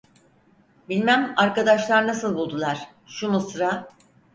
Bilmem arkadaşlar nasıl buldular, şu mısra: